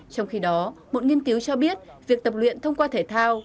trong khi đó một nghiên cứu cho biết việc tập luyện thông qua thể thao